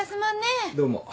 どうも。